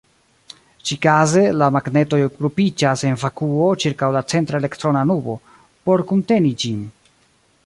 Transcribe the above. Ĉikaze, la magnetoj grupiĝas en vakuo ĉirkaŭ la centra elektrona nubo, por kunteni ĝin.